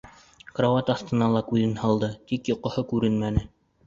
Карауаты аҫтына ла күҙ һалды, тик йоҡоһо күренмәне.